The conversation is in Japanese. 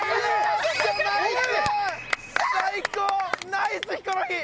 ナイスヒコロヒー！